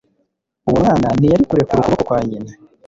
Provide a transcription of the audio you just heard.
Uwo mwana ntiyari kurekura ukuboko kwa nyina.